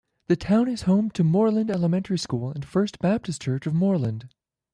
The town is home to Moreland Elementary School and First Baptist Church of Moreland.